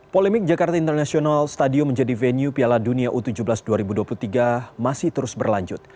polemik jakarta international stadium menjadi venue piala dunia u tujuh belas dua ribu dua puluh tiga masih terus berlanjut